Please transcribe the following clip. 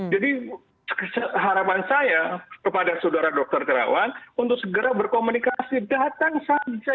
jadi harapan saya kepada saudara dokter terawan untuk segera berkomunikasi datang saja